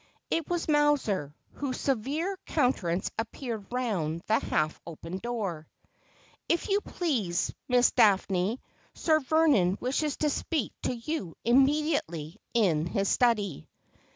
It was Mowser, whose severe countenance appeared round the half open door. ' If you please, Miss Daphne, Sir Vernon wishes to speak to you, immediate, in his study.'